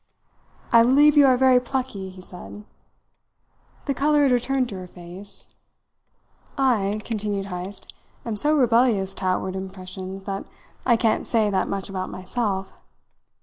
"I believe you are very plucky," he said. The colour had returned to her face. "I" continued Heyst, "am so rebellious to outward impressions that I can't say that much about myself.